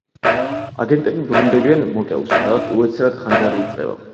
აგენტები ბრუნდებიან მოტელში, სადაც უეცრად ხანძარი იწყება.